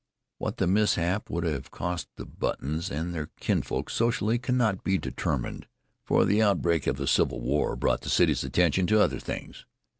What the mishap would have cost the Buttons and their kinsfolk socially cannot be determined, for the outbreak of the Civil War drew the city's attention to other things.